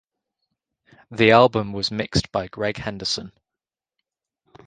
The album was mixed by Greg Henderson.